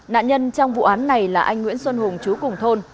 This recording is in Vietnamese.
nạn nhân trong vụ án này là anh nguyễn xuân hùng chú cùng thôn